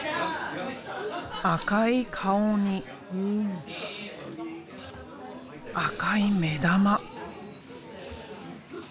赤い顔に赤い目玉。